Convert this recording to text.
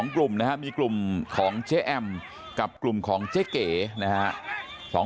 ๒กลุ่มนะครับมีกลุ่มของเจ๊แอมกับกลุ่มของเจ๊เก๋นะฮะ